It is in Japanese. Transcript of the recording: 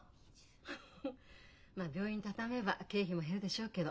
病院畳めば経費も減るでしょうけど